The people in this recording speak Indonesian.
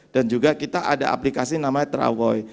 dan juga kita ada aplikasi namanya travoy